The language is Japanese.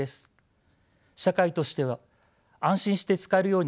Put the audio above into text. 社会としては安心して使えるようにルールを整備していくこと